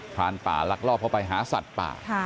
รานป่าลักลอบเข้าไปหาสัตว์ป่า